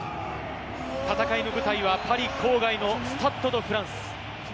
戦いの舞台はパリ郊外のスタッド・ド・フランス。